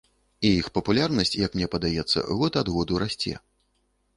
І іх папулярнасць, як мне падаецца, год ад году расце.